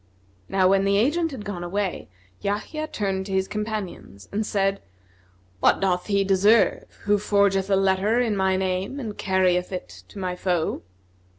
Now when the agent had gone away, Yahya turned to his companions and said, "What doth he deserve who forgeth a letter in my name and carrieth it to my foe?"